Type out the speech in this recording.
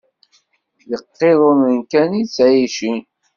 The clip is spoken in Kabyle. Deg iqiḍunen kan i ttɛicin.